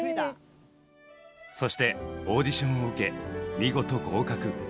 そしてオーディションを受け見事合格。